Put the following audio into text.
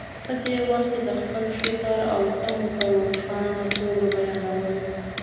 په دې وخت کې د خپل فکر او تمو په روښانه توګه بیانول.